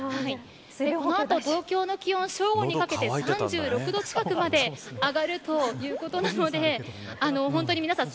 この後、東京の気温正午にかけて３６度近くまで上がるということなので本当に皆さん